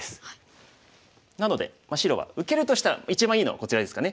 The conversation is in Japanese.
なので白は受けるとしたら一番いいのはこちらですかね。